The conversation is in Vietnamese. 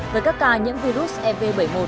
với các ca nhiễm virus fv bảy mươi một